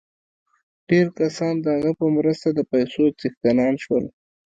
ډېر کسان د هغه په مرسته د پیسو څښتنان شول